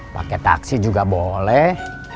pakai taksi juga boleh